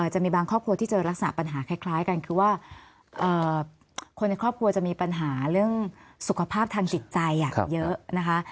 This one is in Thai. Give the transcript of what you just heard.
จะมีบางครอบครัวที่เจอลักษณะปัญหาคล้ายกันคือว่าคนในครอบครัวจะมีปัญหาเรื่องสุขภาพทางจิตใจเยอะนะคะ